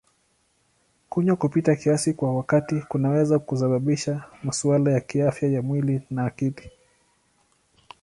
Kunywa kupita kiasi kwa wakati kunaweza kusababisha masuala ya kiafya ya mwili na akili.